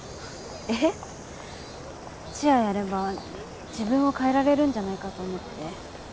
チアやれば自分を変えられるんじゃないかと思って。